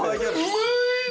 うまいの。